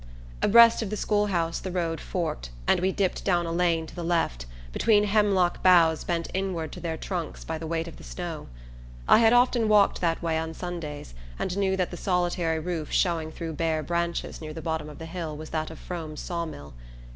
Abreast of the schoolhouse the road forked, and we dipped down a lane to the left, between hemlock boughs bent inward to their trunks by the weight of the snow. I had often walked that way on Sundays, and knew that the solitary roof showing through bare branches near the bottom of the hill was that of Frome's saw mill.